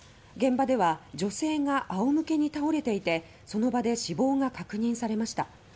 現場では女性が仰向けに倒れていてその場で死亡が確認されました。